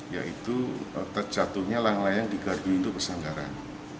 yaitu terjatuhnya layang layang di gardu induk kesanggaran